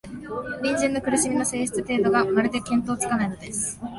隣人の苦しみの性質、程度が、まるで見当つかないのです